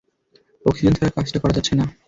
Oxygen ছাড়া কাজটা করা যাচ্ছে না!